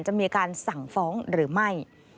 จะมีการสั่งฟ้องหรือไม่